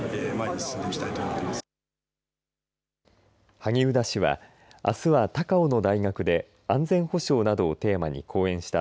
萩生田氏は、あすは高雄の大学で安全保障などをテーマに講演した